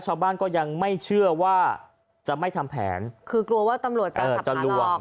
ชาวบ้านก็ยังไม่เชื่อว่าจะไม่ทำแผนคือกลัวว่าตำรวจจะลวง